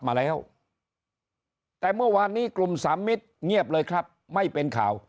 มาแล้วแต่เมื่อวานนี้กลุ่มสามมิตรเงียบเลยครับไม่เป็นข่าว